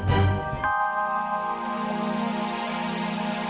dengan pak nino